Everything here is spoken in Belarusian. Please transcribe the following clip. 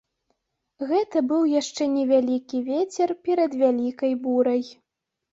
Гэта быў яшчэ невялікі вецер перад вялікай бурай.